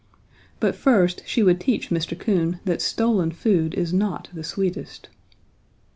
But first she would teach Mr. Coon that stolen food is not the sweetest.